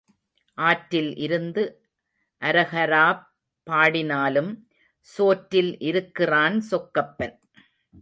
ஆற்றில் இருந்து அரஹராப் பாடினாலும் சோற்றில் இருக்கிறான் சொக்கப்பன்.